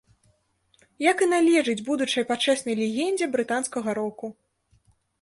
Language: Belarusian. Як і належыць будучай пачэснай легендзе брытанскага року.